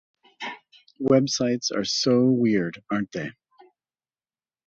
Websites are so weird, aren't they?